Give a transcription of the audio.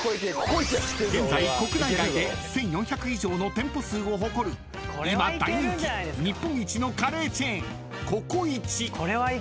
［現在国内外で１，４００以上の店舗数を誇る今大人気日本一のカレーチェーンココイチ］